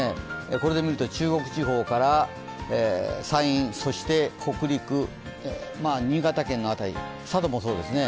これで見ると、中国地方から山陰、そして北陸、新潟県の辺り、佐渡もそうですね。